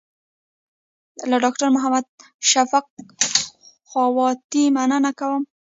له ډاکټر محمد شفق خواتي مننه کوم.